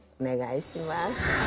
お願いします。